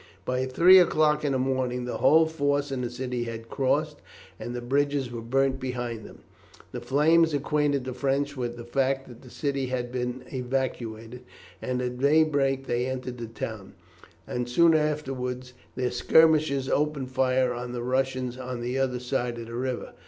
By three o'clock in the morning the whole force in the city had crossed, and the bridges were burnt behind them. The flames acquainted the French with the fact that the city had been evacuated, and at daybreak they entered the town, and soon afterwards their skirmishers opened fire on the Russians on the other side of the river.